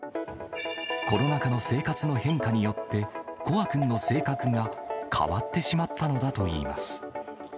コロナ禍の生活の変化によって、コア君の性格が変わってしまったのだといいます。